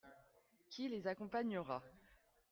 Qui les accompagnera ?